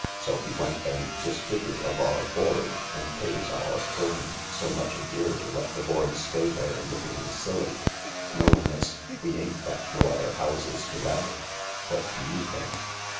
" So he went and disfigured of our board, and pays our firm so much a year to let the board stay there looking silly. No, miss, we ain't got no other houses to let— what do you think